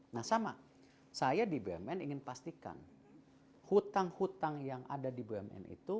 nah sama saya di bumn ingin pastikan hutang hutang yang ada di bumn itu